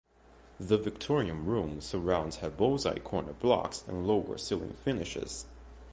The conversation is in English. The Victorian rooms’ surrounds had bullseye corner blocks and lower ceiling finishes.